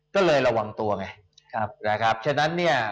ก็เลยระวังตัวไง